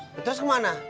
terus ke mana